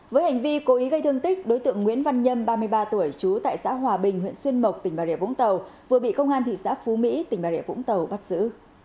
với hành vi cố ý gây thương tích đối tượng nguyễn văn nhâm ba mươi ba tuổi trú tại xã hòa bình huyện xuyên mộc tỉnh bà rịa vũng tàu vừa bị công an thị xã phú mỹ tỉnh bà rịa vũng tàu bắt giữ